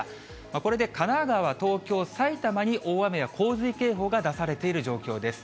これで神奈川、東京、埼玉に大雨や洪水警報が出されている状況です。